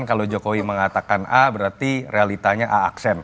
kalau jokowi mengatakan a berarti realitanya a aksen